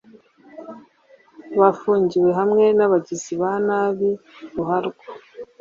Bafungiwe hamwe n’abagizi ba nabi ruharwa